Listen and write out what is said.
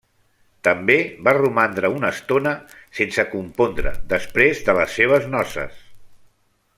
També va romandre una estona sense compondre després de les seves noces.